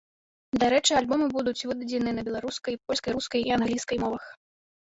Дарэчы, альбомы будуць выдадзены на беларускай, польскай, рускай і англійскай мовах.